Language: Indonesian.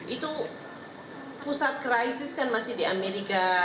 itu pusat krisis kan masih di amerika